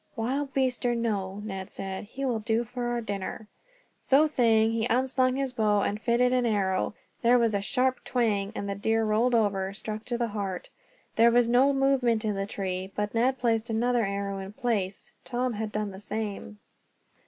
"Wild beast or no," Ned said, "he will do for our dinner." So saying, he unslung his bow, and fitted an arrow. There was a sharp twang, and the deer rolled over, struck to the heart. There was no movement in the tree, but Ned placed another arrow in place. Tom had done the same.